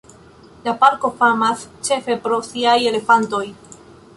La parko famas ĉefe pro siaj elefantoj.